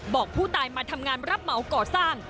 บอกผู้ตายมาทำงานรับเหมาก่อสร้าง